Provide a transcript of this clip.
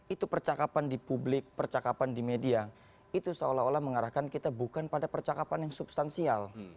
itu percakapan di publik percakapan di media itu seolah olah mengarahkan kita bukan pada percakapan yang substansial